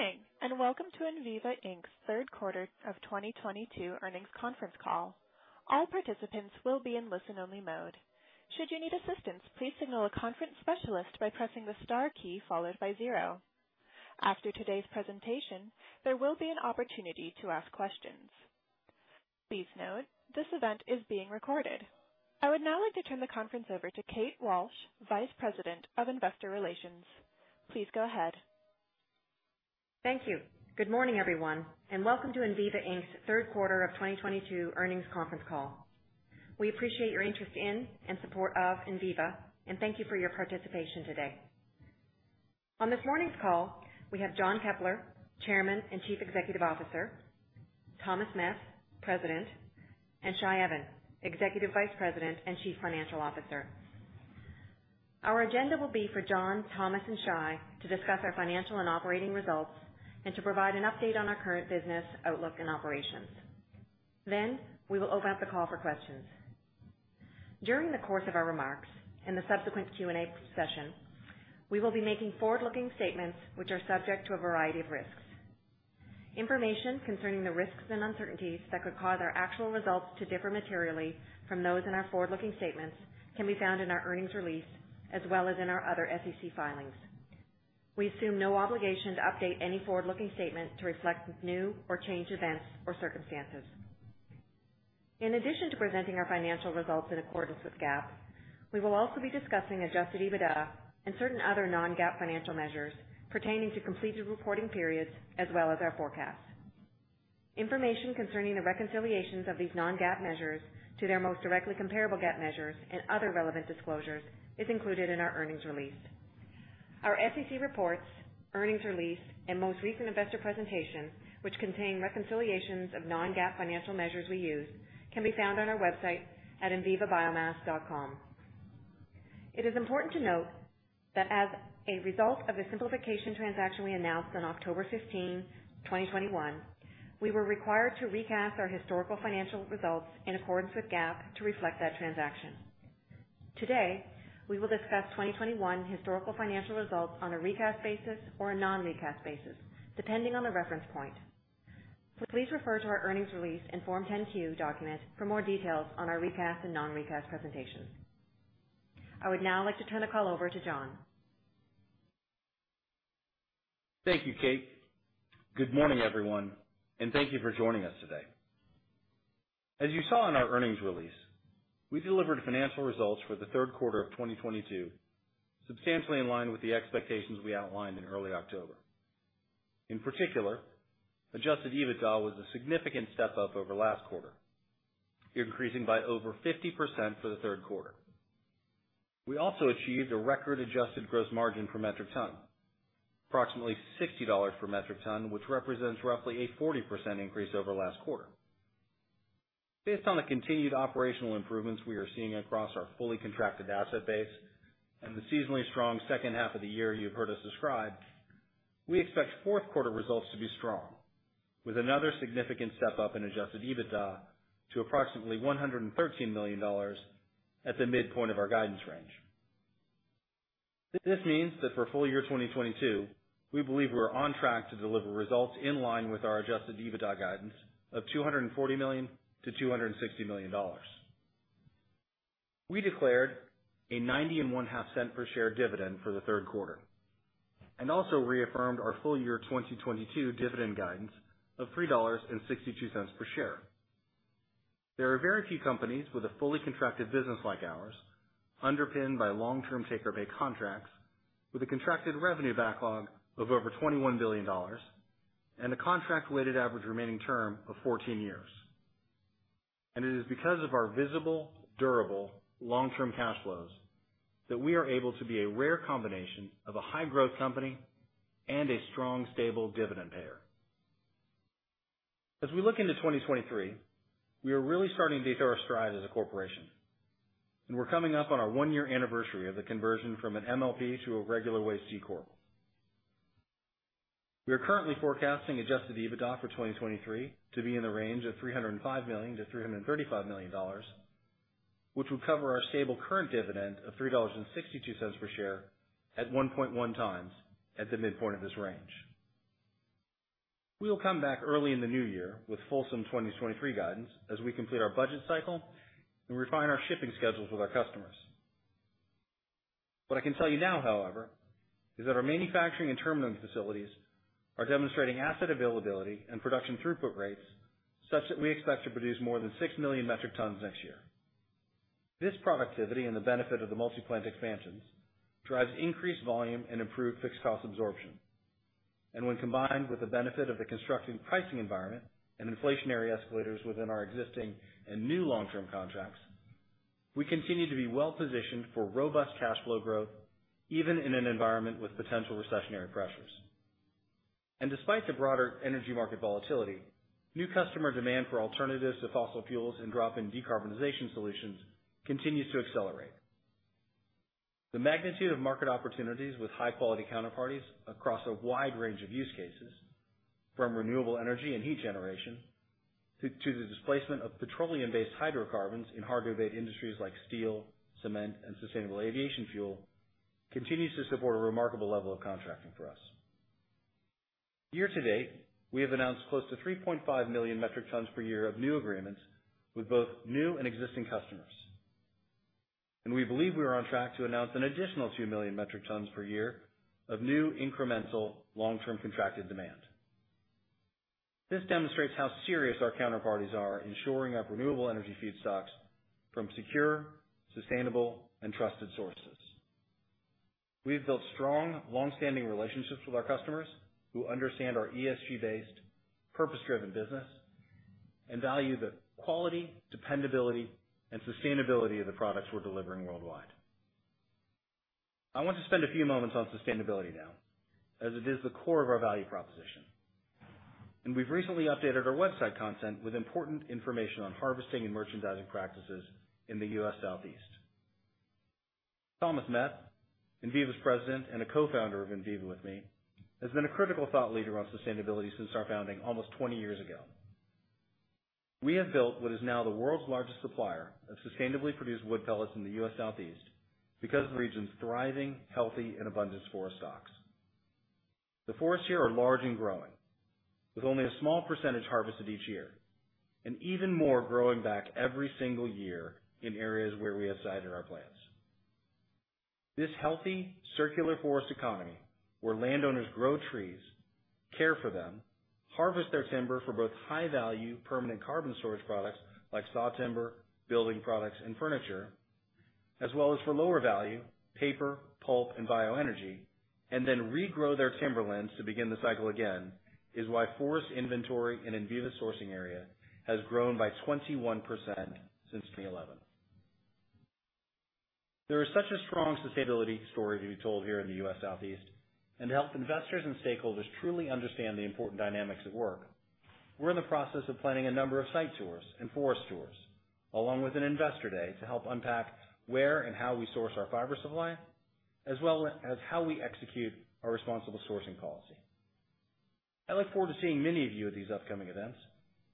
Morning, and welcome to Enviva Inc.'s Third Quarter of 2022 Earnings Conference Call. All participants will be in listen-only mode. Should you need assistance, please signal a conference specialist by pressing the star key followed by zero. After today's presentation, there will be an opportunity to ask questions. Please note, this event is being recorded. I would now like to turn the conference over to Kate Walsh, Vice President of Investor Relations. Please go ahead. Thank you. Good morning, everyone, and welcome to Enviva Inc.'s Third Quarter of 2022 Earnings Conference Call. We appreciate your interest in and support of Enviva and thank you for your participation today. On this morning's call, we have John Keppler, Chairman and Chief Executive Officer, Thomas Meth, President, and Shai Even, Executive Vice President and Chief Financial Officer. Our agenda will be for John, Thomas, and Shai to discuss our financial and operating results and to provide an update on our current business outlook and operations. Then we will open up the call for questions. During the course of our remarks and the subsequent Q&A session, we will be making forward-looking statements which are subject to a variety of risks. Information concerning the risks and uncertainties that could cause our actual results to differ materially from those in our forward-looking statements can be found in our earnings release as well as in our other SEC filings. We assume no obligation to update any forward-looking statement to reflect new or changed events or circumstances. In addition to presenting our financial results in accordance with GAAP, we will also be discussing adjusted EBITDA and certain other non-GAAP financial measures pertaining to completed reporting periods as well as our forecasts. Information concerning the reconciliations of these non-GAAP measures to their most directly comparable GAAP measures and other relevant disclosures is included in our earnings release. Our SEC reports, earnings release, and most recent investor presentation, which contain reconciliations of non-GAAP financial measures we use, can be found on our website at envivabiomass.com. It is important to note that as a result of the simplification transaction we announced on October 15, 2021, we were required to recast our historical financial results in accordance with GAAP to reflect that transaction. Today, we will discuss 2021 historical financial results on a recast basis or a non-recast basis, depending on the reference point. Please refer to our earnings release and Form 10-Q document for more details on our recast and non-recast presentations. I would now like to turn the call over to John. Thank you, Kate. Good morning, everyone, and thank you for joining us today. As you saw in our earnings release, we delivered financial results for the third quarter of 2022, substantially in line with the expectations we outlined in early October. In particular, adjusted EBITDA was a significant step up over last quarter, increasing by over 50% for the third quarter. We also achieved a record adjusted gross margin per metric ton, approximately $60 per metric ton, which represents roughly a 40% increase over last quarter. Based on the continued operational improvements we are seeing across our fully contracted asset base and the seasonally strong second half of the year you have heard us describe, we expect fourth quarter results to be strong with another significant step up in adjusted EBITDA to approximately $113 million at the midpoint of our guidance range. This means that for full year 2022, we believe we're on track to deliver results in line with our adjusted EBITDA guidance of $240 million-$260 million. We declared a 91.5 cents per share dividend for the third quarter and also reaffirmed our full year 2022 dividend guidance of $3.62 per share. There are very few companies with a fully contracted business like ours, underpinned by long-term take-or-pay contracts with a contracted revenue backlog of over $21 billion and a contract weighted average remaining term of 14 years. It is because of our visible, durable, long-term cash flows that we are able to be a rare combination of a high growth company and a strong, stable dividend payer. As we look into 2023, we are really starting to hit our stride as a corporation. We're coming up on our one year anniversary of the conversion from an MLP to a regular C Corp. We are currently forecasting adjusted EBITDA for 2023 to be in the range of $305 million-$335 million, which will cover our stable current dividend of $3.62 per share at 1.1x at the midpoint of this range. We will come back early in the new year with full 2023 guidance as we complete our budget cycle and refine our shipping schedules with our customers. What I can tell you now, however, is that our manufacturing and terminal facilities are demonstrating asset availability and production throughput rates such that we expect to produce more than six million metric tons next year. This productivity and the benefit of the multi-plant expansions drives increased volume and improved fixed cost absorption. When combined with the benefit of the construction pricing environment and inflationary escalators within our existing and new long-term contracts, we continue to be well positioned for robust cash flow growth, even in an environment with potential recessionary pressures. Despite the broader energy market volatility, new customer demand for alternatives to fossil fuels and drop-in decarbonization solutions continues to accelerate. The magnitude of market opportunities with high-quality counterparties across a wide range of use cases. From renewable energy and heat generation to the displacement of petroleum-based hydrocarbons in hard-to-abate industries like steel, cement, and sustainable aviation fuel continues to support a remarkable level of contracting for us. Year to date, we have announced close to 3.5 million metric tons per year of new agreements with both new and existing customers. We believe we are on track to announce an additional two million metric tons per year of new incremental long-term contracted demand. This demonstrates how serious our counterparties are in shoring up renewable energy feedstocks from secure, sustainable, and trusted sources. We've built strong, long-standing relationships with our customers who understand our ESG-based, purpose-driven business and value the quality, dependability, and sustainability of the products we're delivering worldwide. I want to spend a few moments on sustainability now, as it is the core of our value proposition. We've recently updated our website content with important information on harvesting and merchandising practices in the U.S. Southeast. Thomas Meth, Enviva's President and Co-founder of Enviva with me, has been a critical thought leader on sustainability since our founding almost twenty years ago. We have built what is now the world's largest supplier of sustainably produced wood pellets in the U.S. Southeast because of the region's thriving, healthy, and abundant forest stocks. The forests here are large and growing, with only a small percentage harvested each year, and even more growing back every single year in areas where we have sited our plants. This healthy, circular forest economy where landowners grow trees, care for them, harvest their timber for both high-value permanent carbon storage products like saw timber, building products, and furniture, as well as for lower value paper, pulp, and bioenergy, and then regrow their timberlands to begin the cycle again, is why forest inventory in Enviva's sourcing area has grown by 21% since 2011. There is such a strong sustainability story to be told here in the U.S. Southeast. To help investors and stakeholders truly understand the important dynamics at work, we're in the process of planning a number of site tours and forest tours, along with an investor day, to help unpack where and how we source our fiber supply, as well as how we execute our responsible sourcing policy. I look forward to seeing many of you at these upcoming events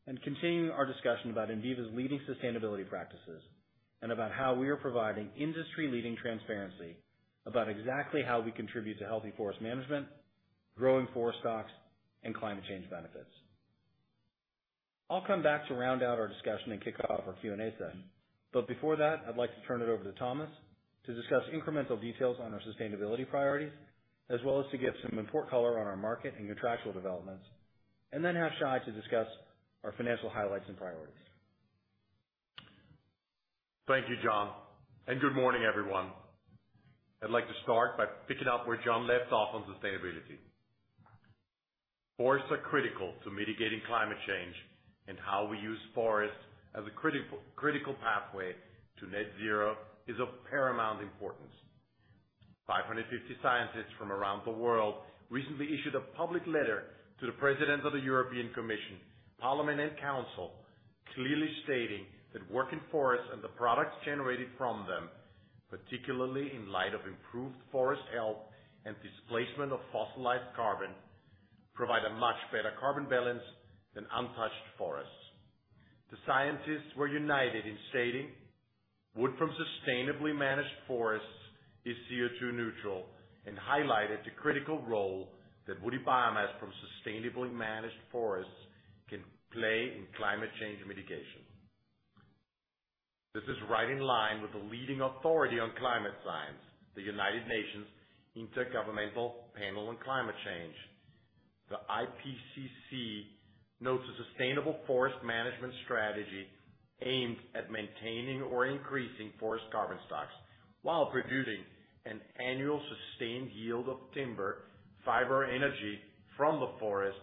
and continuing our discussion about Enviva's leading sustainability practices, and about how we are providing industry-leading transparency about exactly how we contribute to healthy forest management, growing forest stocks, and climate change benefits. I'll come back to round out our discussion and kick off our Q&A session, but before that, I'd like to turn it over to Thomas to discuss incremental details on our sustainability priorities, as well as to give some important color on our market and contractual developments, and then ask Shai to discuss our financial highlights and priorities. Thank you, John, and good morning, everyone. I'd like to start by picking up where John left off on sustainability. Forests are critical to mitigating climate change and how we use forests as a critical pathway to net zero is of paramount importance. 550 scientists from around the world recently issued a public letter to the presidents of the European Commission, Parliament, and Council, clearly stating that working forests and the products generated from them, particularly in light of improved forest health and displacement of fossilized carbon, provide a much better carbon balance than untouched forests. The scientists were united in stating wood from sustainably managed forests is CO2 neutral and highlighted the critical role that woody biomass from sustainably managed forests can play in climate change mitigation. This is right in line with the leading authority on climate science, the United Nations Intergovernmental Panel on Climate Change. The IPCC notes a sustainable forest management strategy aimed at maintaining or increasing forest carbon stocks while producing an annual sustained yield of timber, fiber, energy from the forest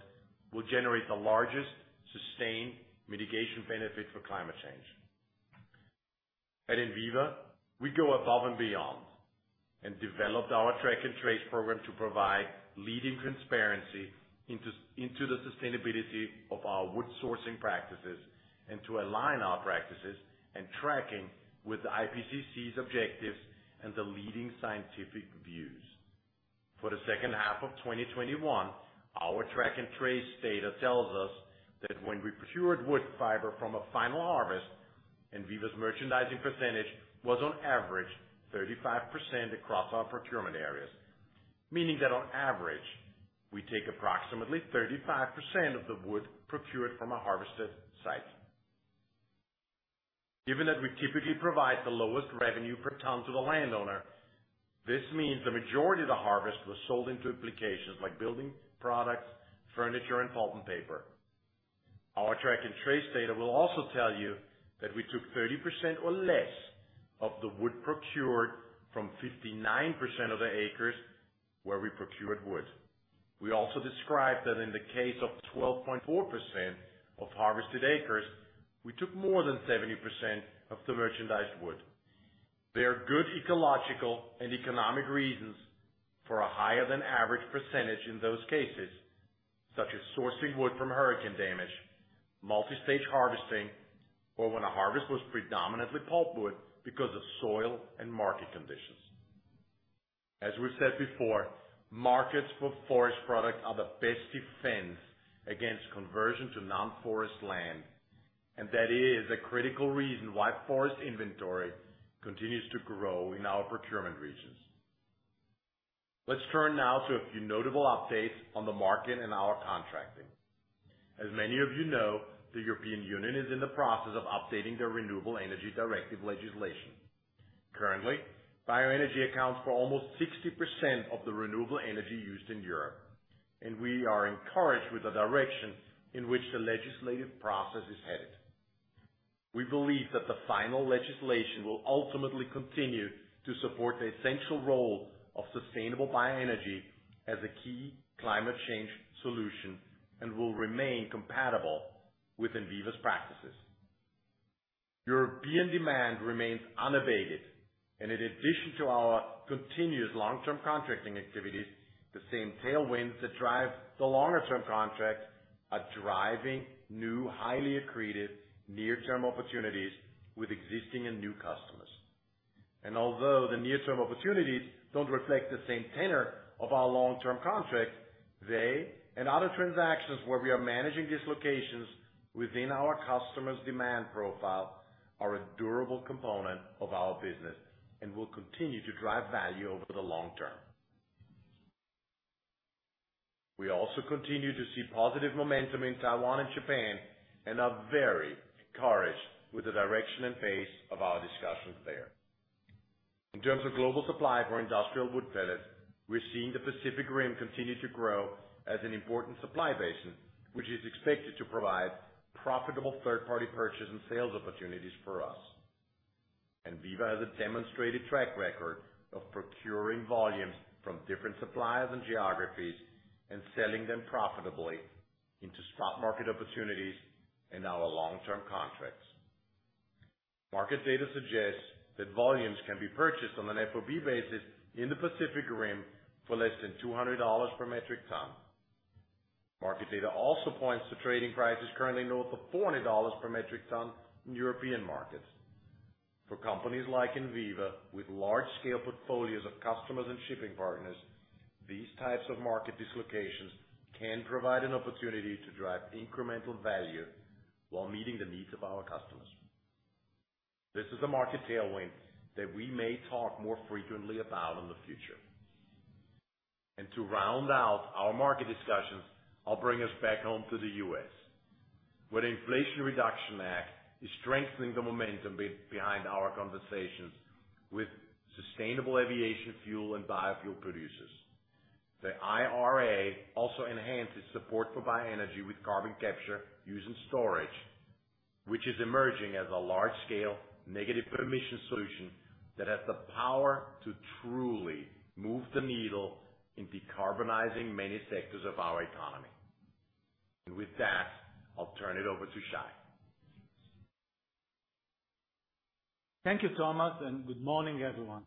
will generate the largest sustained mitigation benefit for climate change. At Enviva, we go above and beyond and developed our Track and Trace program to provide leading transparency into the sustainability of our wood sourcing practices and to align our practices and tracking with the IPCC's objectives and the leading scientific views. For the second half of 2021, our Track and Trace data tells us that when we procured wood fiber from a final harvest, Enviva's merchandising percentage was on average 35% across our procurement areas. Meaning that on average, we take approximately 35% of the wood procured from a harvested site. Given that we typically provide the lowest revenue per ton to the landowner, this means the majority of the harvest was sold into applications like building products, furniture, and pulp and paper. Our Track and Trace data will also tell you that we took 30% or less of the wood procured from 59% of the acres where we procured wood. We also described that in the case of 12.4% of harvested acres, we took more than 70% of the merchandised wood. There are good ecological and economic reasons for a higher than average percentage in those cases, such as sourcing wood from hurricane damage, multi-stage harvesting, or when a harvest was predominantly pulpwood because of soil and market conditions. As we've said before, markets for forest products are the best defense against conversion to non-forest land, and that is a critical reason why forest inventory continues to grow in our procurement regions. Let's turn now to a few notable updates on the market and our contracting. As many of you know, the European Union is in the process of updating their Renewable Energy Directive legislation. Currently, bioenergy accounts for almost 60% of the renewable energy used in Europe, and we are encouraged with the direction in which the legislative process is headed. We believe that the final legislation will ultimately continue to support the essential role of sustainable bioenergy as a key climate change solution, and will remain compatible with Enviva's practices. European demand remains unabated, and in addition to our continuous long-term contracting activities, the same tailwinds that drive the longer term contracts are driving new, highly accretive near-term opportunities with existing and new customers. Although the near-term opportunities don't reflect the same tenor of our long-term contracts, they and other transactions where we are managing dislocations within our customers' demand profile are a durable component of our business, and will continue to drive value over the long-term. We also continue to see positive momentum in Taiwan and Japan, and are very encouraged with the direction and pace of our discussions there. In terms of global supply for industrial wood pellets, we're seeing the Pacific Rim continue to grow as an important supply basin, which is expected to provide profitable third-party purchase and sales opportunities for us. Enviva has a demonstrated track record of procuring volumes from different suppliers and geographies, and selling them profitably into spot market opportunities in our long-term contracts. Market data suggests that volumes can be purchased on an FOB basis in the Pacific Rim for less than $200 per metric ton. Market data also points to trading prices currently north of $400 per metric ton in European markets. For companies like Enviva, with large scale portfolios of customers and shipping partners, these types of market dislocations can provide an opportunity to drive incremental value while meeting the needs of our customers. This is a market tailwind that we may talk more frequently about in the future. To round out our market discussions, I'll bring us back home to the U.S., where the Inflation Reduction Act is strengthening the momentum behind our conversations with sustainable aviation fuel and biofuel producers. The IRA also enhances support for bioenergy with carbon capture and storage, which is emerging as a large-scale negative emission solution that has the power to truly move the needle in decarbonizing many sectors of our economy. With that, I'll turn it over to Shai. Thank you, Thomas, and good morning, everyone.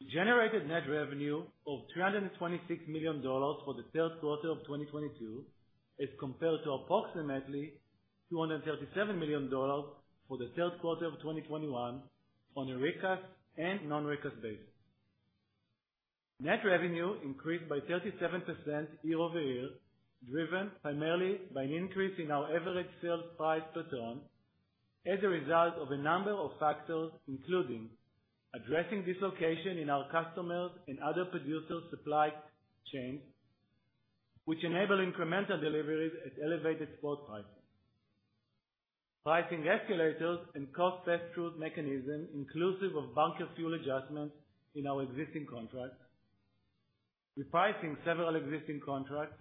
We generated net revenue of $326 million for the third quarter of 2022, as compared to approximately $237 million for the third quarter of 2021 on a recast and non-recast basis. Net revenue increased by 37% year-over-year, driven primarily by an increase in our average sales price per ton as a result of a number of factors, including addressing dislocation in our customers and other producers' supply chains, which enable incremental deliveries at elevated spot prices. Pricing escalators and cost pass-through mechanism, inclusive of bunker fuel adjustments in our existing contracts. Repricing several existing contracts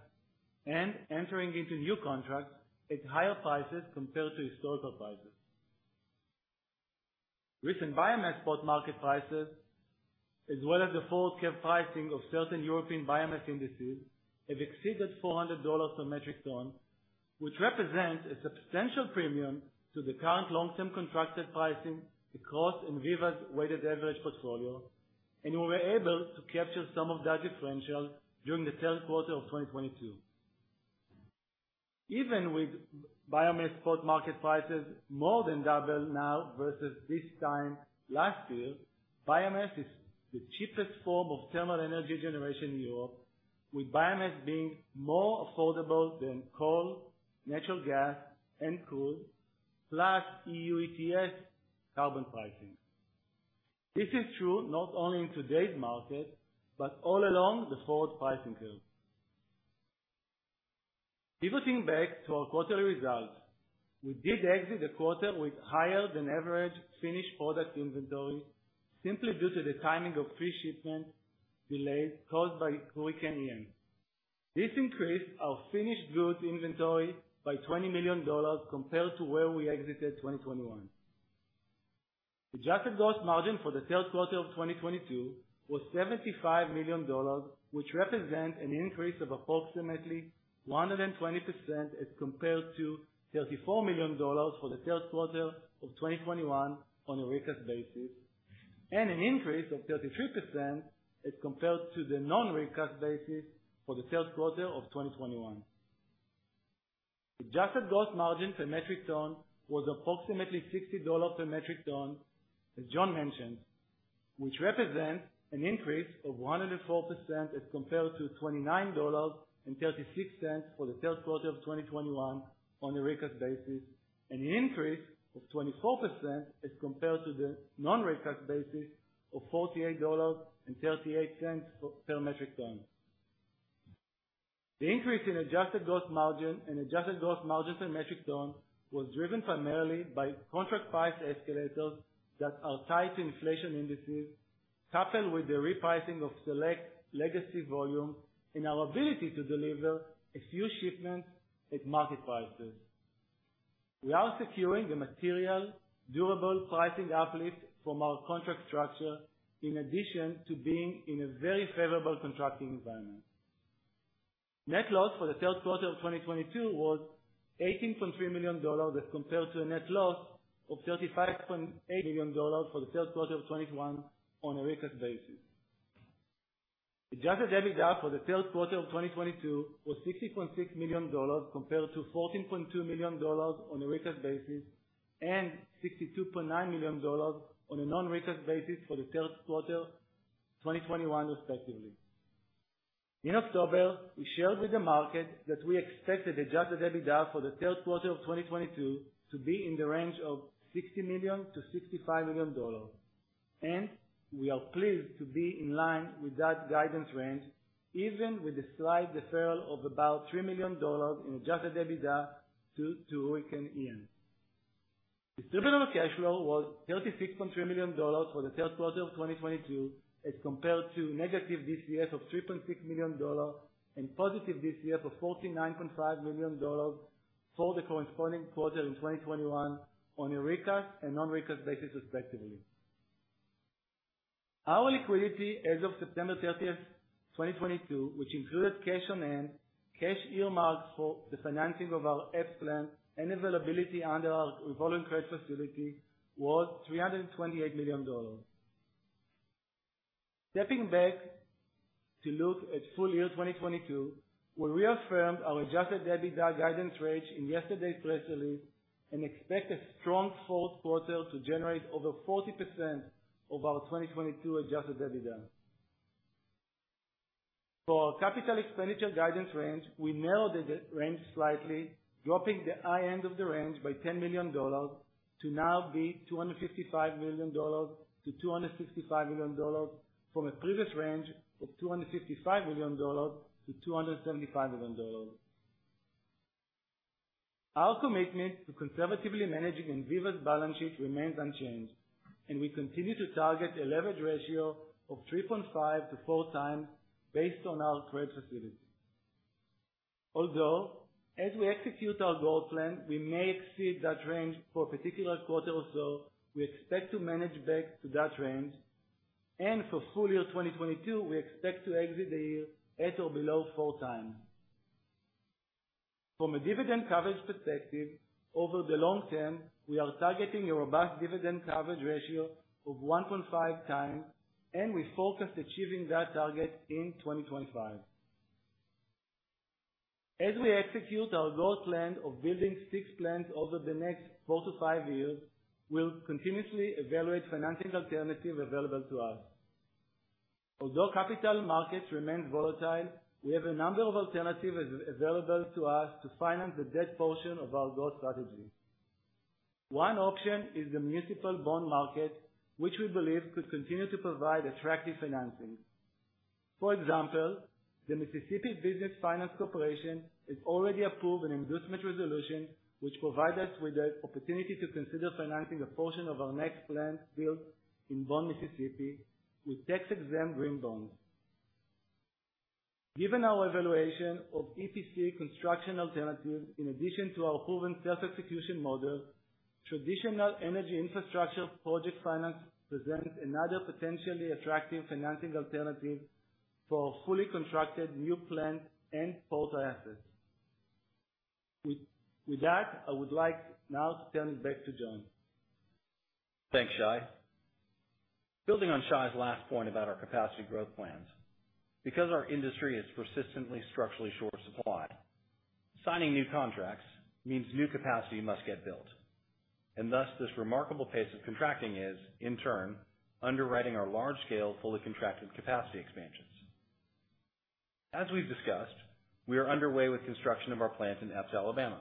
and entering into new contracts at higher prices compared to historical prices. Recent biomass spot market prices, as well as the forward curve pricing of certain European biomass indices, have exceeded $400 per metric ton, which represents a substantial premium to the current long-term contracted pricing across Enviva's weighted average portfolio, and we were able to capture some of that differential during the third quarter of 2022. Even with biomass spot market prices more than double now versus this time last year, biomass is the cheapest form of thermal energy generation in Europe, with biomass being more affordable than coal, natural gas, and crude, plus EU ETS carbon pricing. This is true not only in today's market, but all along the forward pricing curve. Pivoting back to our quarterly results, we did exit the quarter with higher than average finished product inventory simply due to the timing of free shipment delays caused by Hurricane Ian. This increased our finished goods inventory by $20 million compared to where we exited 2021. Adjusted gross margin for the third quarter of 2022 was $75 million, which represents an increase of approximately 120% as compared to $34 million for the third quarter of 2021 on a recast basis, and an increase of 33% as compared to the non-recast basis for the third quarter of 2021. Adjusted gross margin per metric ton was approximately $60 per metric ton, as John mentioned, which represents an increase of 104% as compared to $29.36 for the third quarter of 2021 on a recast basis, and an increase of 24% as compared to the non-recast basis of $48.38 per metric ton. The increase in adjusted gross margin and adjusted gross margin per metric ton was driven primarily by contract price escalators that are tied to inflation indices, coupled with the repricing of select legacy volume and our ability to deliver a few shipments at market prices. We are securing the material durable pricing uplift from our contract structure in addition to being in a very favorable contracting environment. Net loss for the third quarter of 2022 was $18.3 million as compared to a net loss of $35.8 million for the third quarter of 2021 on a recast basis. Adjusted EBITDA for the third quarter of 2022 was $60.6 million compared to $14.2 million on a recast basis and $62.9 million on a non-recast basis for the third quarter 2021 respectively. In October, we shared with the market that we expected adjusted EBITDA for the third quarter of 2022 to be in the range of $60 million-$65 million, and we are pleased to be in line with that guidance range, even with the slight deferral of about $3 million in adjusted EBITDA due to Hurricane Ian. Distributable cash flow was $36.3 million for the third quarter of 2022, as compared to negative DCF of $3.6 million and positive DCF of $49.5 million for the corresponding quarter in 2021 on a recast and non-recast basis respectively. Our liquidity as of September 30th, 2022, which included cash on hand, cash earmarked for the financing of our Epes plant and availability under our revolving credit facility, was $328 million. Stepping back to look at full year 2022, we reaffirmed our adjusted EBITDA guidance range in yesterday's press release and expect a strong fourth quarter to generate over 40% of our 2022 adjusted EBITDA. For our capital expenditure guidance range, we narrowed the range slightly, dropping the high end of the range by $10 million to now be $255 million-$255 million from a previous range of $255 million-$275 million. Our commitment to conservatively managing Enviva's balance sheet remains unchanged, and we continue to target a leverage ratio of 3.5-4x based on our credit facility. Although as we execute our growth plan, we may exceed that range for a particular quarter or so, we expect to manage back to that range. For full year 2022, we expect to exit the year at or below 4x. From a dividend coverage perspective, over the long-term, we are targeting a robust dividend coverage ratio of 1.5x, and we focus on achieving that target in 2025. As we execute our growth plan of building six plants over the next 4-5 years, we'll continuously evaluate financing alternatives available to us. Although capital markets remain volatile, we have a number of alternatives available to us to finance the debt portion of our growth strategy. One option is the municipal bond market, which we believe could continue to provide attractive financing. For example, the Mississippi Business Finance Corporation has already approved an inducement resolution which provides us with the opportunity to consider financing a portion of our next plant build in Bond, Mississippi, with tax-exempt green bonds. Given our evaluation of EPC construction alternatives in addition to our proven self-execution model, traditional energy infrastructure project finance presents another potentially attractive financing alternative for our fully contracted new plant and port assets. With that, I would like now to turn it back to John. Thanks, Shai. Building on Shai's last point about our capacity growth plans, because our industry is persistently structurally short supplied, signing new contracts means new capacity must get built, and thus this remarkable pace of contracting is, in turn, underwriting our large-scale, fully contracted capacity expansions. As we've discussed, we are underway with construction of our plant in Epes, Alabama.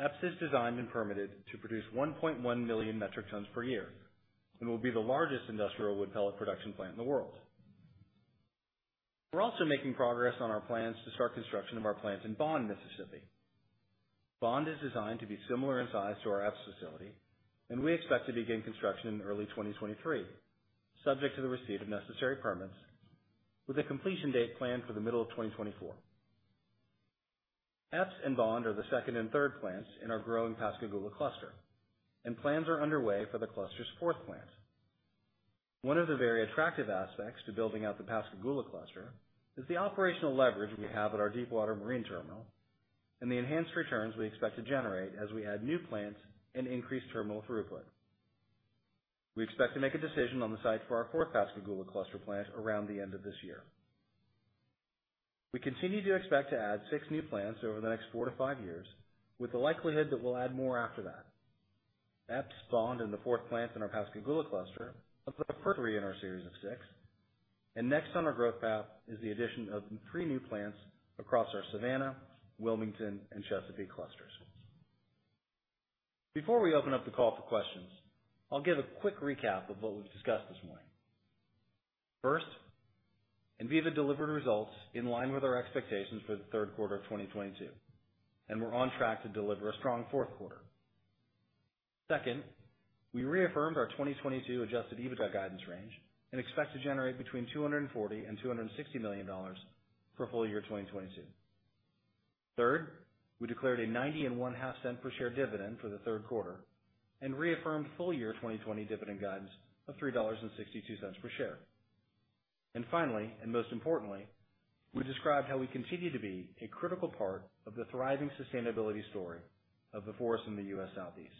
Epes is designed and permitted to produce 1.1 million metric tons per year, and will be the largest industrial wood pellet production plant in the world. We're also making progress on our plans to start construction of our plant in Bond, Mississippi. Bond is designed to be similar in size to our Epes facility, and we expect to begin construction in early 2023, subject to the receipt of necessary permits, with a completion date planned for the middle of 2024. Epes and Bond are the second and third plants in our growing Pascagoula cluster, and plans are underway for the cluster's fourth plant. One of the very attractive aspects to building out the Pascagoula cluster is the operational leverage we have at our deep water marine terminal and the enhanced returns we expect to generate as we add new plants and increase terminal throughput. We expect to make a decision on the site for our fourth Pascagoula cluster plant around the end of this year. We continue to expect to add six new plants over the next four to five years, with the likelihood that we'll add more after that. Epes, Bond, and the fourth plant in our Pascagoula cluster are the first three in our series of six, and next on our growth path is the addition of three new plants across our Savannah, Wilmington, and Chesapeake clusters. Before we open up the call for questions, I'll give a quick recap of what we've discussed this morning. First, Enviva delivered results in line with our expectations for the third quarter of 2022, and we're on track to deliver a strong fourth quarter. Second, we reaffirmed our 2022 adjusted EBITDA guidance range and expect to generate between $240 million and $260 million for full year 2022. Third, we declared a $0.915 per share dividend for the third quarter and reaffirmed full year 2022 dividend guidance of $3.62 per share. Finally, and most importantly, we described how we continue to be a critical part of the thriving sustainability story of the forest in the U.S. Southeast.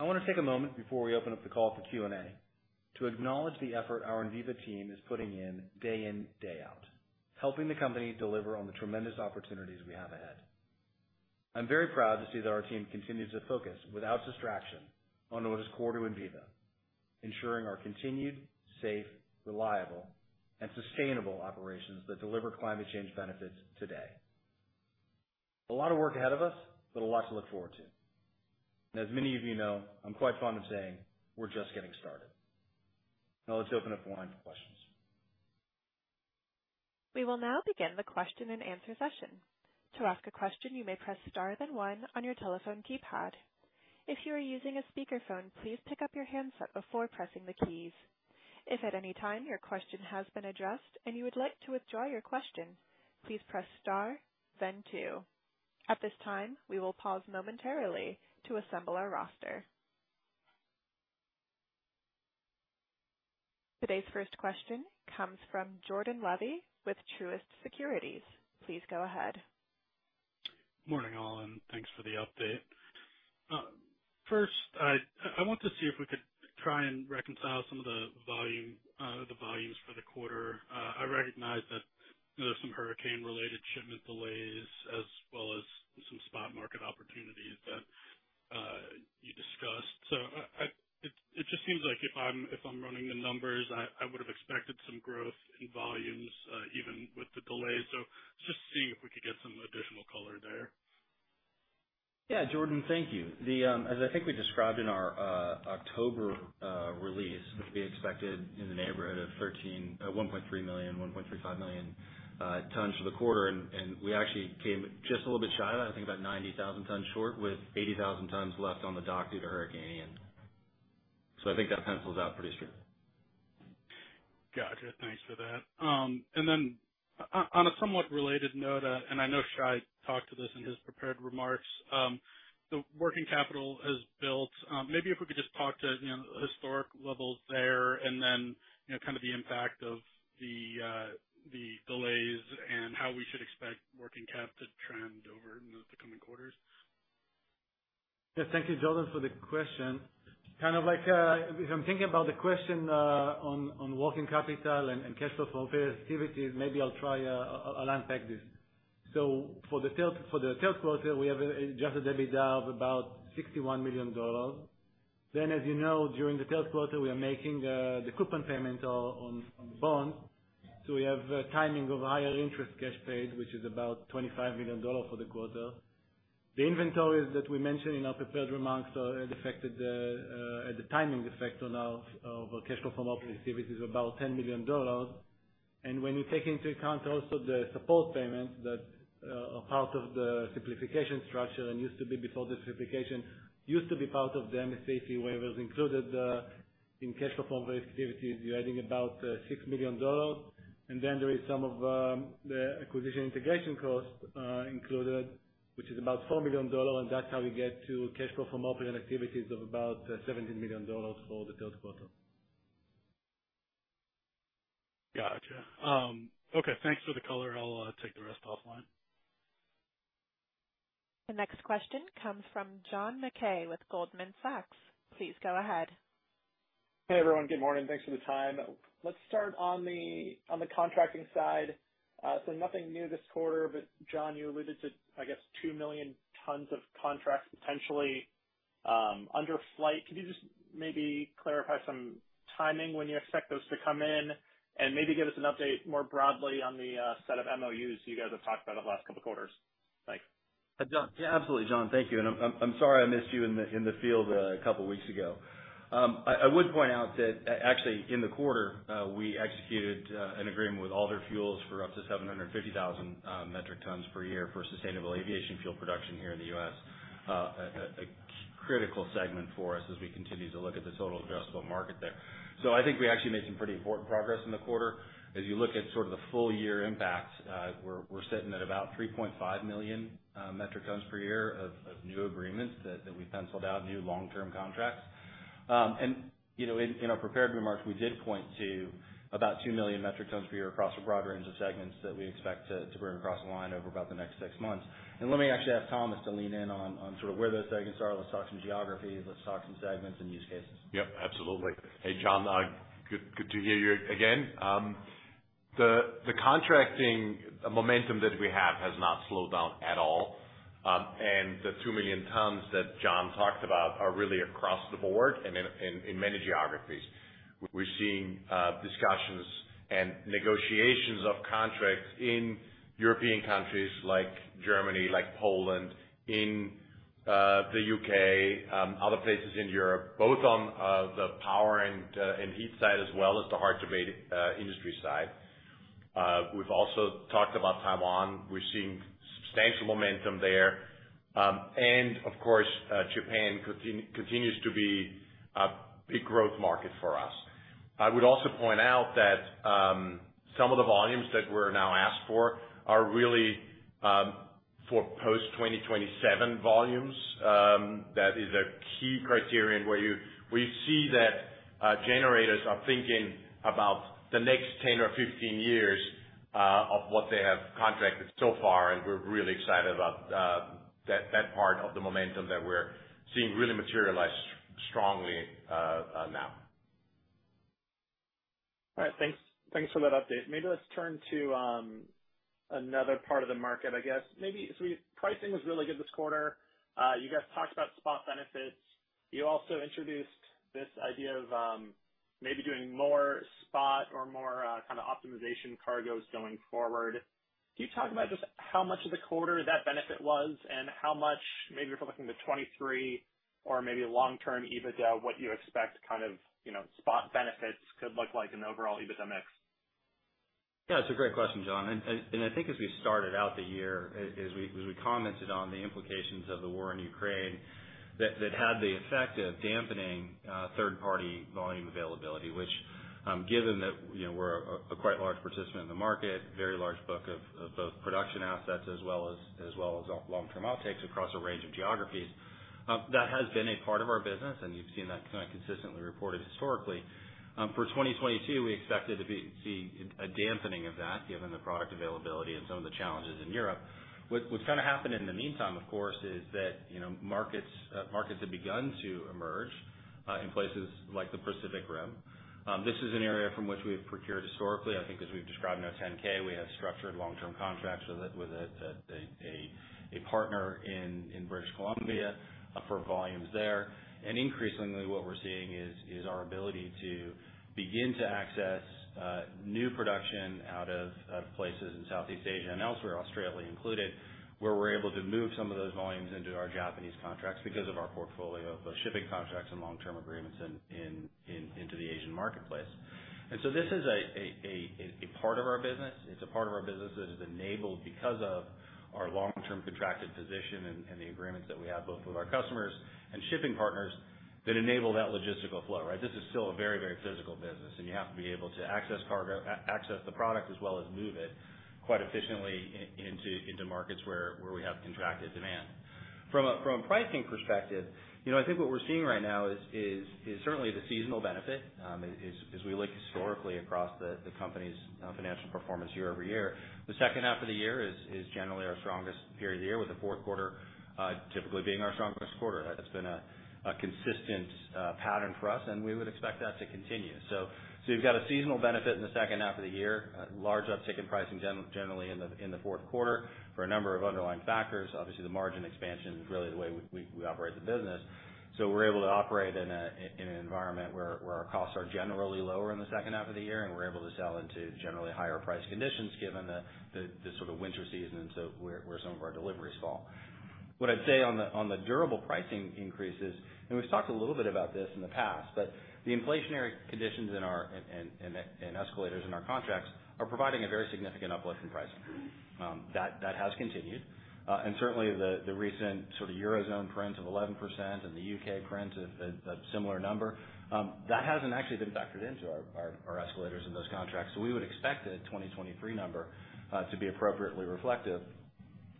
I want to take a moment before we open up the call for Q&A to acknowledge the effort our Enviva team is putting in day in, day out, helping the company deliver on the tremendous opportunities we have ahead. I'm very proud to see that our team continues to focus without distraction on what is core to Enviva, ensuring our continued safe, reliable, and sustainable operations that deliver climate change benefits today. A lot of work ahead of us, but a lot to look forward to. As many of you know, I'm quite fond of saying, "We're just getting started." Now let's open up the line for questions. We will now begin the question-and-answer session. To ask a question, you may press star then one on your telephone keypad. If you are using a speakerphone, please pick up your handset before pressing the keys. If at any time your question has been addressed and you would like to withdraw your question, please press star then two. At this time, we will pause momentarily to assemble our roster. Today's first question comes from Jordan Levy with Truist Securities. Please go ahead. Morning, all, and thanks for the update. First, I want to see if we could try and reconcile some of the volumes for the quarter. I recognize that there's some hurricane-related shipment delays as well as some spot market opportunities that you discussed. It just seems like if I'm running the numbers, I would have expected some growth in volumes even with the delays. Just seeing if we could get some additional color there. Yeah. Jordan, thank you. The as I think we described in our October release, we expected in the neighborhood of 1.3 million-1.35 million tons for the quarter, and we actually came just a little bit shy of that. I think about 90,000 tons short with 80,000 tons left on the dock due to Hurricane Ian. I think that pencils out pretty straight. Gotcha. Thanks for that. On a somewhat related note, I know Shai talked about this in his prepared remarks. The working capital has built. Maybe if we could just talk about, you know, historic levels there and then, you know, kind of the impact of the delays and how we should expect working cap to trend over the coming quarters. Yes. Thank you, Jordan, for the question. Kind of like, if I'm thinking about the question, on working capital and cash flow from various activities, maybe I'll unpack this. For the third quarter, we have a adjusted EBITDA of about $61 million. As you know, during the third quarter, we are making the coupon payment on bond. We have timing of higher interest cash paid, which is about $25 million for the quarter. The inventories that we mentioned in our prepared remarks affected the timing effect of our cash flow from operating activities is about $10 million. When you take into account also the support payments that are part of the simplification structure and used to be before the simplification, used to be part of the MSA, where it was included in cash flow from various activities, you're adding about $6 million. Then there is some of the acquisition integration costs included, which is about $4 million, and that's how we get to cash flow from operating activities of about $17 million for the third quarter. Gotcha. Okay. Thanks for the color. I'll take the rest offline. The next question comes from John Mackay with Goldman Sachs. Please go ahead. Hey, everyone. Good morning. Thanks for the time. Let's start on the contracting side. So nothing new this quarter, but John, you alluded to, I guess, two million tons of contracts potentially in flight. Could you just maybe clarify some timing when you expect those to come in and maybe give us an update more broadly on the set of MOUs you guys have talked about over the last couple of quarters? Thanks. John. Yeah, absolutely, John. Thank you. I'm sorry I missed you in the field a couple of weeks ago. I would point out that actually in the quarter, we executed an agreement with Alder Fuels for up to 750,000 metric tons per year for sustainable aviation fuel production here in the U.S., a critical segment for us as we continue to look at the total addressable market there. I think we actually made some pretty important progress in the quarter. As you look at sort of the full year impacts, we're sitting at about 3.5 million metric tons per year of new agreements that we penciled out new long-term contracts. You know, in our prepared remarks, we did point to about two million metric tons per year across a broad range of segments that we expect to bring across the line over about the next six months. Let me actually ask Thomas to lean in on sort of where those segments are. Let's talk some geography. Let's talk some segments and use cases. Yep, absolutely. Hey, John. Good to hear you again. The contracting momentum that we have has not slowed down at all. The two million tons that John talked about are really across the board in many geographies. We're seeing discussions and negotiations of contracts in European countries like Germany, like Poland, the U.K., other places in Europe, both on the power and heat side as well as the hard to abate industry side. We've also talked about Taiwan. We're seeing substantial momentum there. Of course, Japan continues to be a big growth market for us. I would also point out that some of the volumes that we're now asked for are really for post-2027 volumes. That is a key criterion where we see that generators are thinking about the next 10 or 15 years of what they have contracted so far, and we're really excited about that part of the momentum that we're seeing really materialize strongly now. All right. Thanks for that update. Maybe let's turn to another part of the market, I guess. Pricing was really good this quarter. You guys talked about spot benefits. You also introduced this idea of maybe doing more spot or more kind of optimization cargoes going forward. Can you talk about just how much of the quarter that benefit was and how much maybe if we're looking to 2023 or maybe long-term EBITDA, what you expect kind of, you know, spot benefits could look like in overall EBITDA mix? It's a great question, John. I think as we started out the year, as we commented on the implications of the war in Ukraine, that had the effect of dampening third-party volume availability. Which, given that, you know, we're a quite large participant in the market, very large book of both production assets as well as long-term offtakes across a range of geographies, that has been a part of our business, and you've seen that kind of consistently reported historically. For 2022, we expected to be seeing a dampening of that given the product availability and some of the challenges in Europe. What's gonna happen in the meantime, of course, is that, you know, markets have begun to emerge in places like the Pacific Rim. This is an area from which we have procured historically. I think as we've described in our 10-K, we have structured long-term contracts with a partner in British Columbia for volumes there. Increasingly what we're seeing is our ability to begin to access new production out of places in Southeast Asia and elsewhere, Australia included, where we're able to move some of those volumes into our Japanese contracts because of our portfolio of both shipping contracts and long-term agreements into the Asian marketplace. This is a part of our business. It's a part of our business that is enabled because of our long-term contracted position and the agreements that we have both with our customers and shipping partners that enable that logistical flow, right? This is still a very, very physical business, and you have to be able to access cargo, access the product as well as move it quite efficiently into markets where we have contracted demand. From a pricing perspective, you know, I think what we're seeing right now is certainly the seasonal benefit. As we look historically across the company's financial performance year-over-year. The second half of the year is generally our strongest period of the year, with the fourth quarter typically being our strongest quarter. That's been a consistent pattern for us, and we would expect that to continue. You've got a seasonal benefit in the second half of the year. A large uptick in pricing generally in the fourth quarter for a number of underlying factors. Obviously, the margin expansion is really the way we operate the business. We're able to operate in an environment where our costs are generally lower in the second half of the year, and we're able to sell into generally higher price conditions given the sort of winter season and where some of our deliveries fall. What I'd say on the durable pricing increases, and we've talked a little bit about this in the past, but the inflationary conditions in our and escalators in our contracts are providing a very significant uplift in pricing. That has continued. Certainly the recent sort of Eurozone print of 11% and the U.K. print of a similar number, that hasn't actually been factored into our escalators in those contracts. We would expect a 2023 number to be appropriately reflective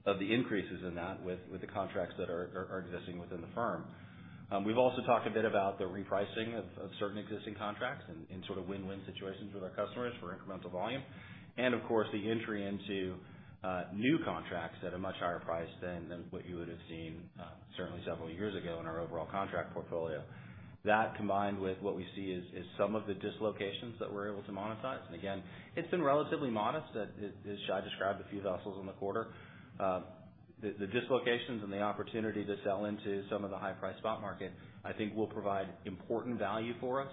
of the increases in that with the contracts that are existing within the firm. We've also talked a bit about the repricing of certain existing contracts in sort of win-win situations with our customers for incremental volume. Of course, the entry into new contracts at a much higher price than what you would have seen certainly several years ago in our overall contract portfolio. That combined with what we see is some of the dislocations that we're able to monetize. Again, it's been relatively modest, as Shai described, a few vessels in the quarter. The dislocations and the opportunity to sell into some of the high-priced spot market, I think will provide important value for us,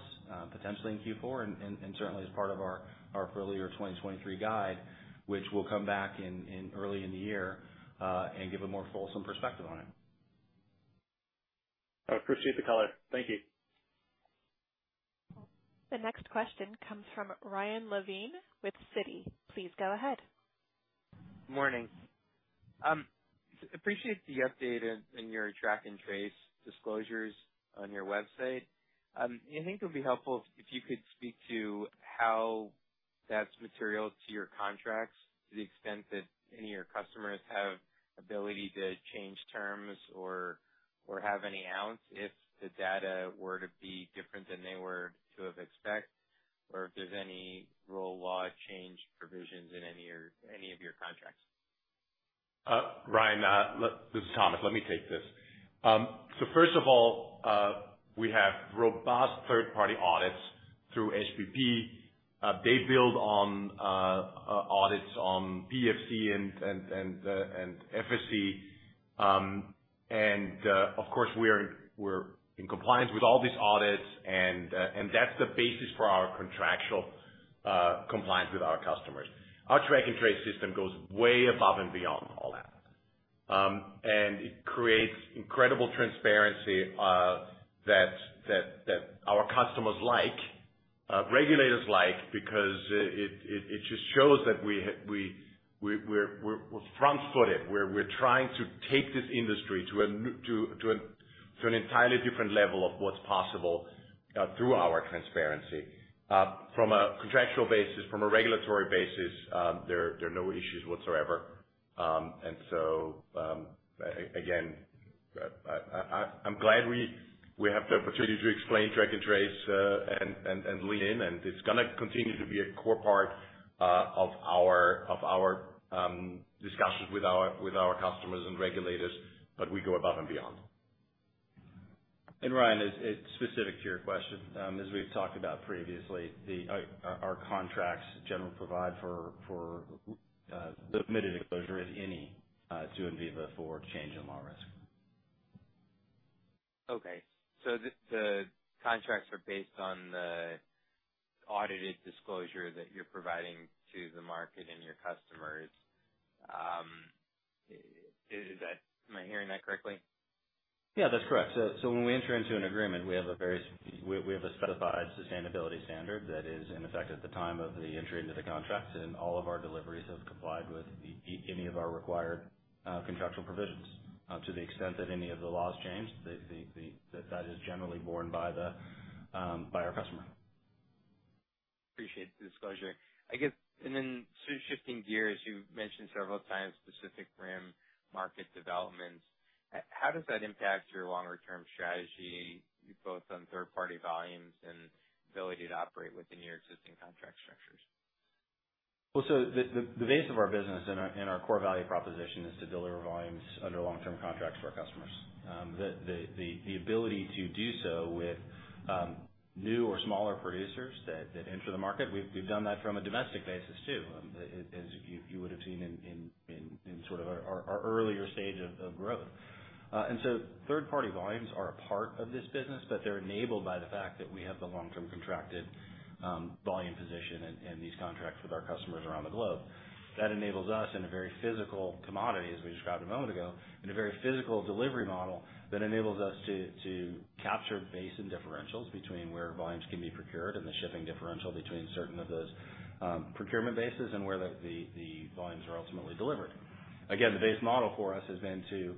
potentially in Q4 and certainly as part of our full-year 2023 guide, which we'll come back in early in the year and give a more fulsome perspective on it. I appreciate the color. Thank you. The next question comes from Ryan Levine with Citi. Please go ahead. Morning. Appreciate the update in your Track & Trace disclosures on your website. I think it would be helpful if you could speak to how that's material to your contracts, to the extent that any of your customers have ability to change terms or have any out if the data were to be different than they were to have expected, or if there's any rule or law change provisions in any of your contracts. Ryan, this is Thomas. Let me take this. So first of all, we have robust third-party audits through SBP. They build on audits on PEFC and FSC. Of course, we're in compliance with all these audits and that's the basis for our contractual compliance with our customers. Our Track and Trace system goes way above and beyond all that. It creates incredible transparency that our customers like, regulators like, because it just shows that we're front-footed. We're trying to take this industry to an entirely different level of what's possible through our transparency. From a contractual basis, from a regulatory basis, there are no issues whatsoever. I'm glad we have the opportunity to explain Track & Trace again, and lean in, and it's gonna continue to be a core part of our discussions with our customers and regulators, but we go above and beyond. Ryan, it's specific to your question, as we've talked about previously, our contracts generally provide for subsequent disclosure of any change in law risk. Okay. The contracts are based on the audited disclosure that you're providing to the market and your customers. Am I hearing that correctly? Yeah, that's correct. When we enter into an agreement, we have a specified sustainability standard that is in effect at the time of the entry into the contract, and all of our deliveries have complied with any of our required contractual provisions. To the extent that any of the laws change, that is generally borne by our customer. Appreciate the disclosure. I guess, shifting gears, you've mentioned several times Pacific Rim market developments. How does that impact your longer-term strategy, both on third-party volumes and ability to operate within your existing contract structures? Well, the base of our business and our core value proposition is to deliver volumes under long-term contracts to our customers. The ability to do so with new or smaller producers that enter the market, we've done that from a domestic basis too. As you would have seen in sort of our earlier stage of growth. Third-party volumes are a part of this business, but they're enabled by the fact that we have the long-term contracted volume position and these contracts with our customers around the globe. That enables us in a very physical commodity, as we described a moment ago, in a very physical delivery model that enables us to capture basin differentials between where volumes can be procured and the shipping differential between certain of those procurement bases and where the volumes are ultimately delivered. Again, the base model for us has been to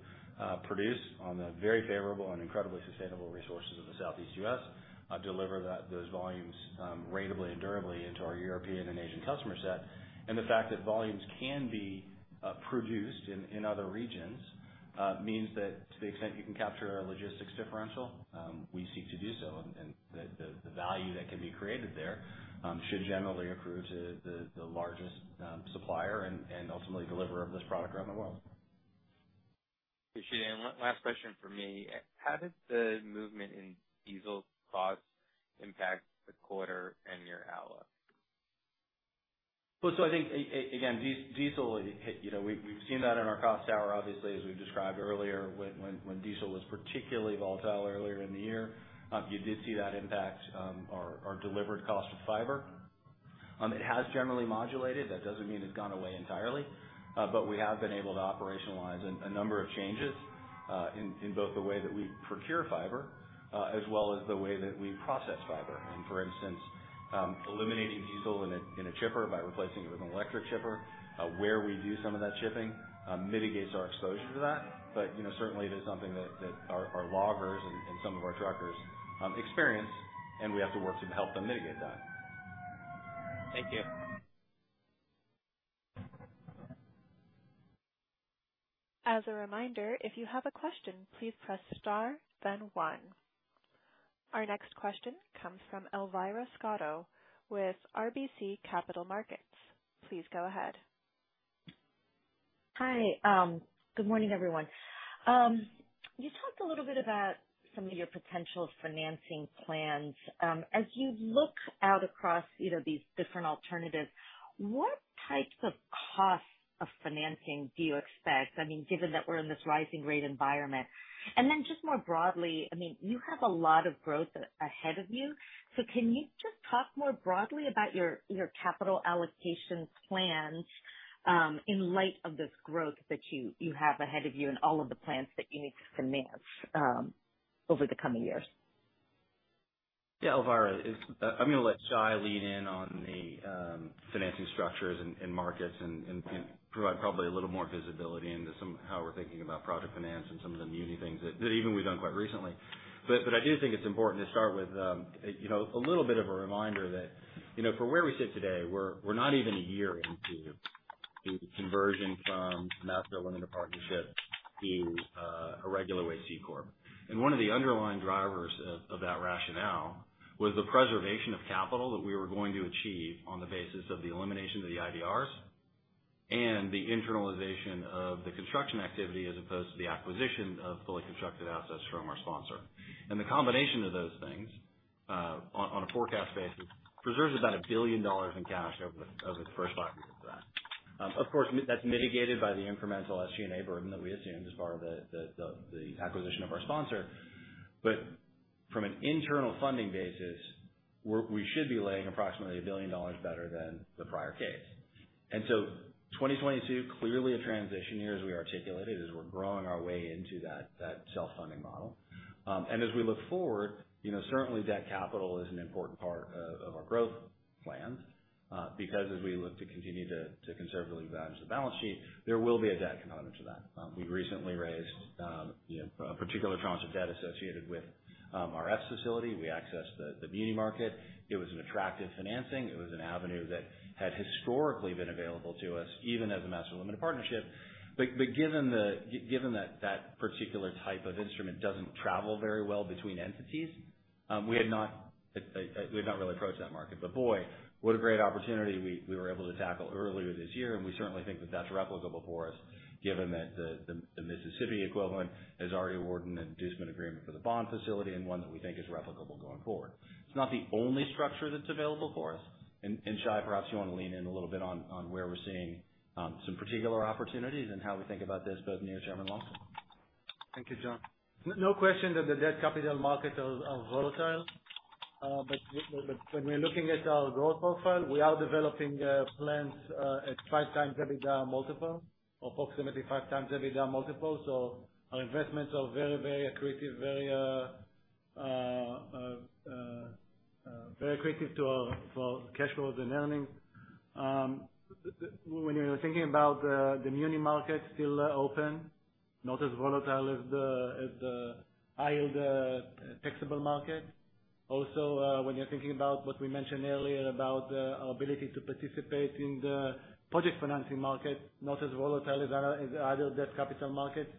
produce on the very favorable and incredibly sustainable resources of the Southeast U.S., deliver those volumes ratably and durably into our European and Asian customer set. The fact that volumes can be produced in other regions means that to the extent you can capture a logistics differential, we seek to do so. The value that can be created there should generally accrue to the largest supplier and ultimately deliverer of this product around the world. Appreciate it. One last question from me. How did the movement in diesel costs impact the quarter and your outlook? Well, I think again, diesel, you know, we've seen that in our cost structure, obviously, as we've described earlier. When diesel was particularly volatile earlier in the year, you did see that impact our delivered cost of fiber. It has generally modulated. That doesn't mean it's gone away entirely, but we have been able to operationalize a number of changes in both the way that we procure fiber as well as the way that we process fiber. For instance, eliminating diesel in a chipper by replacing it with an electric chipper where we do some of that chipping mitigates our exposure to that. You know, certainly it is something that our loggers and some of our truckers experience, and we have to work to help them mitigate that. Thank you. As a reminder, if you have a question, please press star then one. Our next question comes from Elvira Scotto with RBC Capital Markets. Please go ahead. Hi. Good morning, everyone. You talked a little bit about some of your potential financing plans. As you look out across, you know, these different alternatives, what types of costs of financing do you expect? I mean, given that we're in this rising rate environment. Then just more broadly, I mean, you have a lot of growth ahead of you. So can you just talk more broadly about your capital allocations plans, in light of this growth that you have ahead of you and all of the plans that you need to finance, over the coming years? Yeah. Elvira, it's. I'm gonna let Shai lead in on the financing structures and markets and provide probably a little more visibility into somehow we're thinking about project finance and some of the new things that we've even done quite recently. I do think it's important to start with you know, a little bit of a reminder that you know, from where we sit today, we're not even a year into the conversion from master limited partnership to a regular way C Corp. One of the underlying drivers of that rationale was the preservation of capital that we were going to achieve on the basis of the elimination of the IDRs and the internalization of the construction activity as opposed to the acquisition of fully constructed assets from our sponsor. The combination of those things, on a forecast basis, preserves about $1 billion in cash over the first five years of that. Of course, that's mitigated by the incremental SG&A burden that we assumed as part of the acquisition of our sponsor. From an internal funding basis, we should be laying approximately $1 billion better than the prior case. 2022, clearly a transition year, as we articulated, as we're growing our way into that self-funding model. As we look forward, you know, certainly debt capital is an important part of our growth plans, because as we look to continue to conservatively leverage the balance sheet, there will be a debt component to that. We've recently raised, you know, a particular tranche of debt associated with our Epes facility. We accessed the muni market. It was an attractive financing. It was an avenue that had historically been available to us even as a master limited partnership. Given that that particular type of instrument doesn't travel very well between entities, we had not really approached that market. Boy, what a great opportunity we were able to tackle earlier this year, and we certainly think that that's replicable for us, given that the Mississippi equivalent has already awarded an inducement agreement for the bond facility and one that we think is replicable going forward. It's not the only structure that's available for us, and Shai, perhaps you wanna lean in a little bit on where we're seeing some particular opportunities and how we think about this both near-term and long-term. Thank you, John. No question that the debt capital markets are volatile. When we're looking at our growth profile, we are developing plans at 5x EBITDA multiple or approximately 5x EBITDA multiple. Our investments are very accretive to our cash flows and earnings. When you're thinking about the muni market still open, not as volatile as the high yield taxable market. When you're thinking about what we mentioned earlier about our ability to participate in the project financing market, not as volatile as other debt capital markets.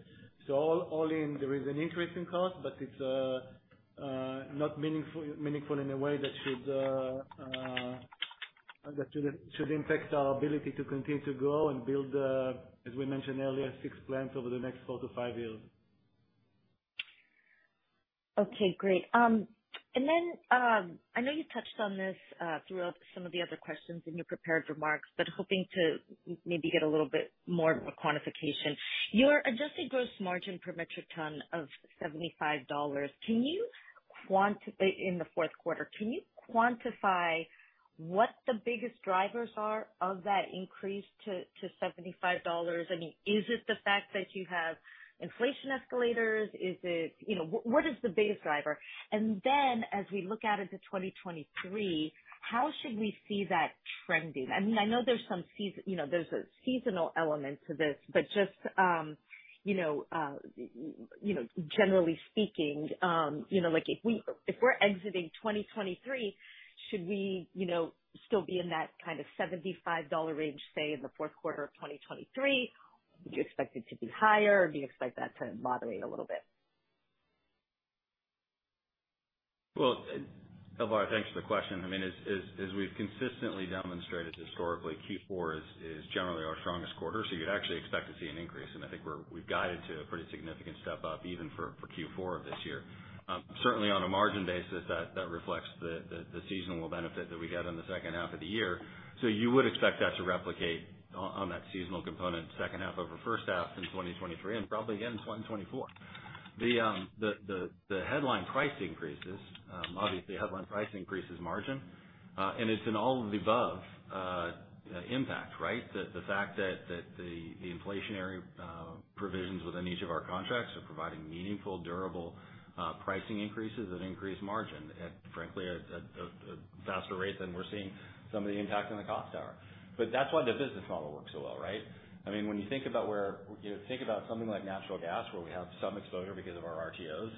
All in, there is an increase in cost, but it's not meaningful in a way that should impact our ability to continue to grow and build, as we mentioned earlier, six plants over the next 4-5 years. Okay, great. I know you touched on this throughout some of the other questions in your prepared remarks, but hoping to maybe get a little bit more of a quantification. Your adjusted gross margin per metric ton of $75 in the fourth quarter, can you quantify what the biggest drivers are of that increase to $75? I mean, is it the fact that you have inflation escalators? You know, what is the biggest driver? As we look out into 2023, how should we see that trending? I mean, I know there's some seas. You know, there's a seasonal element to this, but just, you know, generally speaking, you know, like, if we, if we're exiting 2023, should we, you know, still be in that kind of $75 range, say in the fourth quarter of 2023? Would you expect it to be higher or do you expect that to moderate a little bit? Well, Elvira, thanks for the question. I mean, as we've consistently demonstrated historically, Q4 is generally our strongest quarter, so you'd actually expect to see an increase, and I think we've guided to a pretty significant step up even for Q4 of this year. Certainly on a margin basis, that reflects the seasonal benefit that we get in the second half of the year. You would expect that to replicate on that seasonal component second half over first half in 2023 and probably again in 2024. The headline price increases, obviously headline price increases margin, and it's an all of the above impact, right? The fact that the inflationary provisions within each of our contracts are providing meaningful, durable, pricing increases and increased margin at a faster rate than we're seeing some of the impact on the costs are. That's why the business model works so well, right? I mean, when you think about something like natural gas, where we have some exposure because of our RTOs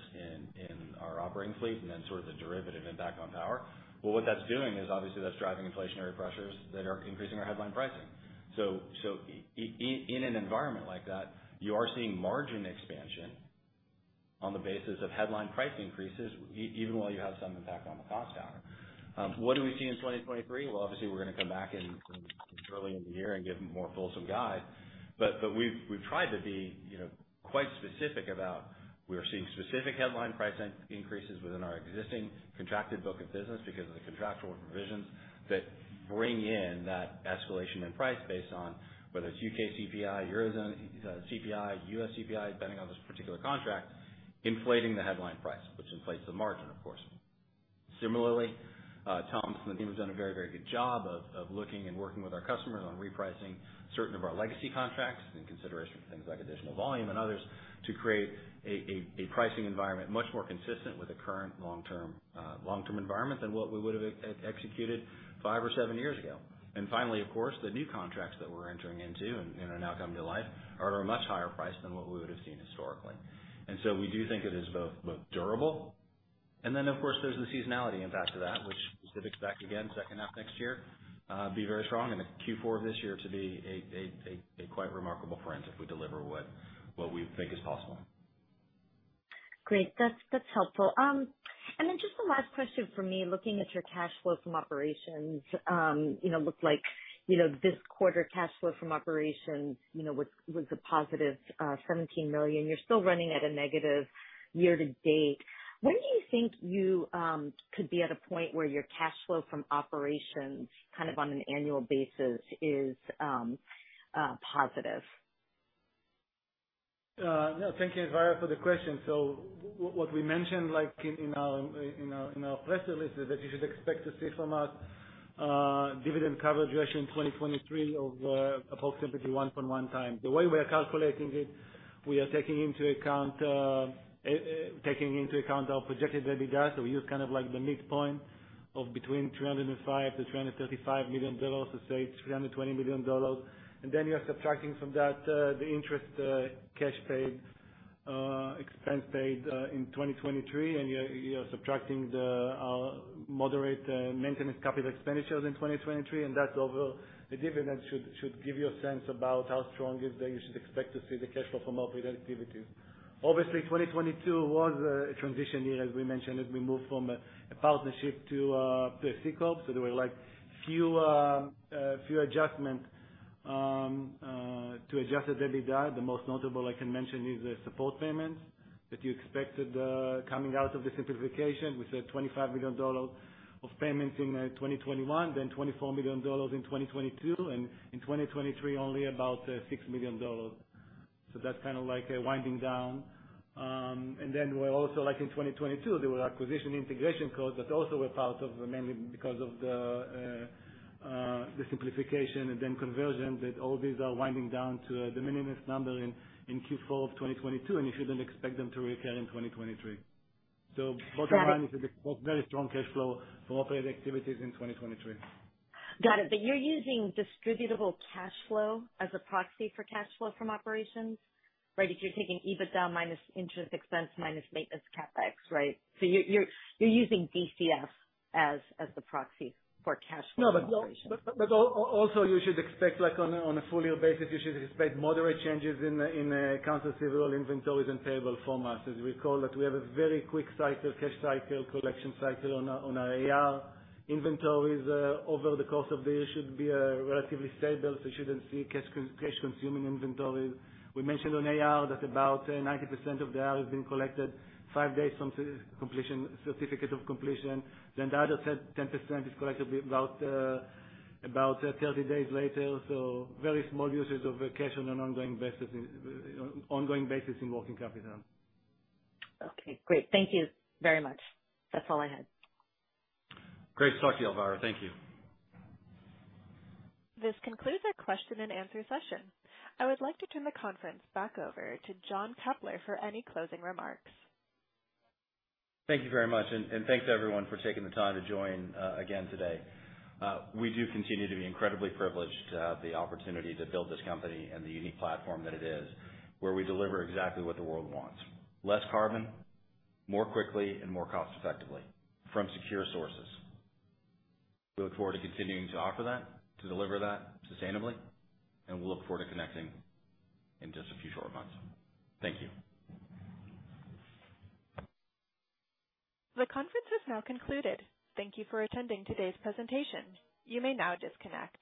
in our operating fleet, and then sort of the derivative impact on power. Well, what that's doing is obviously that's driving inflationary pressures that are increasing our headline pricing. In an environment like that, you are seeing margin expansion on the basis of headline price increases even while you have some impact on the cost down. What do we see in 2023? Well, obviously we're gonna come back in early in the year and give more fulsome guide. We've tried to be, you know, quite specific about we're seeing specific headline pricing increases within our existing contracted book of business because of the contractual provisions that bring in that escalation in price based on whether it's U.K. CPI, Eurozone CPI, U.S. CPI, depending on this particular contract, inflating the headline price, which inflates the margin, of course. Similarly, Tom and the team have done a very good job of looking and working with our customers on repricing certain of our legacy contracts in consideration of things like additional volume and others to create a pricing environment much more consistent with the current long-term environment than what we would've executed five or seven years ago. Finally, of course, the new contracts that we're entering into and are now coming to life are at a much higher price than what we would've seen historically. Then of course, there's the seasonality impact to that, which we expect, again, the second half of next year to be very strong and the Q4 of this year to be a quite remarkable trend if we deliver what we think is possible. Great. That's helpful. Just the last question from me, looking at your cash flow from operations, you know, looks like, you know, this quarter cash flow from operations, you know, was a +$17 million. You're still running at a negative year to date. When do you think you could be at a point where your cash flow from operations kind of on an annual basis is positive? No, thank you, Elvira, for the question. What we mentioned, like in our press release is that you should expect to see from us dividend coverage ratio in 2023 of approximately 1.1x. The way we are calculating it, we are taking into account our projected EBITDA. We use kind of like the midpoint between $305 million-$335 million to say $320 million. Then you are subtracting from that the interest cash paid expense paid in 2023, and you are subtracting our moderate maintenance capital expenditures in 2023, and that's over the dividend. The dividend should give you a sense about how strong is the. You should expect to see the cash flow from operating activities. Obviously, 2022 was a transition year, as we mentioned, as we move from a partnership to a C Corp. There were a few adjustments to adjust the EBITDA. The most notable I can mention is the support payments that you expected coming out of the simplification. We said $25 million of payments in 2021, then $24 million in 2022, and in 2023, only about $6 million. That's kind of like a winding down. we're also like in 2022, there were acquisition integration costs that also were part of mainly because of the simplification and then conversion that all these are winding down to the minimum number in Q4 of 2022, and you shouldn't expect them to recur in 2023. Bottom line- Got it. It's a very strong cash flow for operating activities in 2023. Got it. You're using distributable cash flow as a proxy for cash flow from operations, right? If you're taking EBITDA minus interest expense minus maintenance CapEx, right? You're using DCF as the proxy for cash flow from operations. No, but also you should expect on a full year basis moderate changes in cash, inventories and payables for us. As we call it, we have a very quick cycle, cash cycle, collection cycle on our AR. Inventories over the course of the year should be relatively stable, so you should not see cash-consuming inventories. We mentioned on AR that about 90% of the AR has been collected five days from substantial completion certificate of completion. Then the other 10% is collected about 30 days later. So very small usage of cash on an ongoing basis in working capital. Okay, great. Thank you very much. That's all I had. Great talking to you, Elvira. Thank you. This concludes our question and answer session. I would like to turn the conference back over to John Keppler for any closing remarks. Thank you very much, and thanks everyone for taking the time to join again today. We do continue to be incredibly privileged to have the opportunity to build this company and the unique platform that it is, where we deliver exactly what the world wants. Less carbon, more quickly, and more cost effectively from secure sources. We look forward to continuing to offer that, to deliver that sustainably, and we look forward to connecting in just a few short months. Thank you. The conference is now concluded. Thank you for attending today's presentation. You may now disconnect.